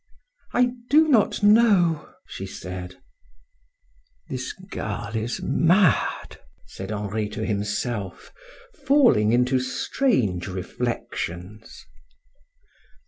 "I do not know," she said. "This girl is mad," said Henri to himself, falling into strange reflections.